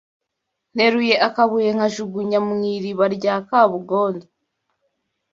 Nteruye akabuye nkajugunya mu iriba rya kabugondo